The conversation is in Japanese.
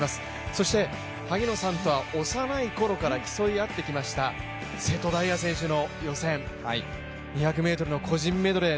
そして萩野さんとは競い合ってきました瀬戸大也選手の予選、２００ｍの個人メドレー